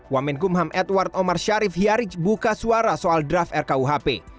wamenkumham edward omar syarif hiyarij buka suara soal draft rkuhp